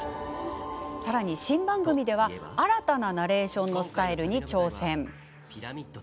さらに新番組では新たなナレーションのスタイルに挑戦。